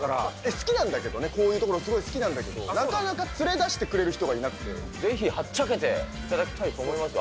好きなんだけどね、こういう所、すごい好きなんだけど、なかなか連れ出してくれる人がいぜひ、はっちゃけていただきたいと思いますよ。